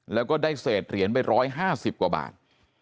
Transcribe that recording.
แล้วก็ได้เศษเหรียญไป๑๕๐กว่าบาท